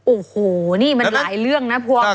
โอ้โหนี่มันหลายเรื่องนะผัวพันธุ์กันหมด